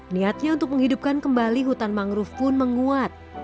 niatnya untuk menghidupkan kembali hutan mangrove pun menguat